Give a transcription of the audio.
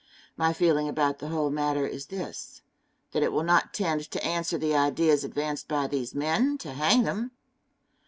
My feeling about the whole matter is this: That it will not tend to answer the ideas advanced by these men, to hang them.